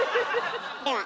では。